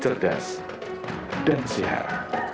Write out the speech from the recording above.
cerdas dan sehat